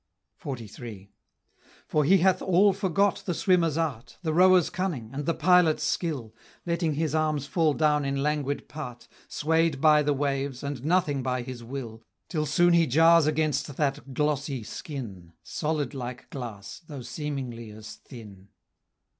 XLIII. For he hath all forgot the swimmer's art, The rower's cunning, and the pilot's skill, Letting his arms fall down in languid part, Sway'd by the waves, and nothing by his will, Till soon he jars against that glossy skin, Solid like glass, though seemingly as thin.